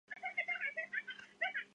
现时正在建设交流道中。